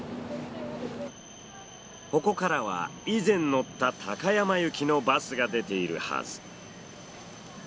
ここからは以前乗った高山行きのバスが出ているはず。